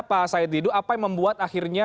pak said didu apa yang membuat akhirnya